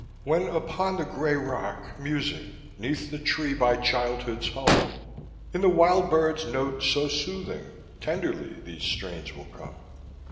When upon the gray rock musing 'Neath the tree by childhood's home, In the wild bird's note so soothing Tenderly these strains will come.